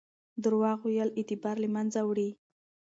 درواغ ویل اعتبار له منځه وړي.